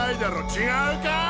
違うか？